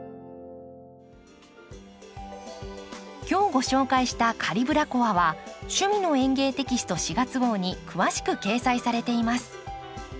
今日ご紹介した「カリブラコア」は「趣味の園芸」テキスト４月号に詳しく掲載されています。